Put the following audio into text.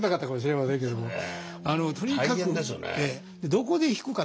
どこで引くか。